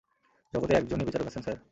জগতে একজনই বিচারক আছেন, স্যার।